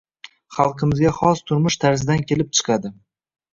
Xalqimizga xos turmush tarzidan kelib chiqadi.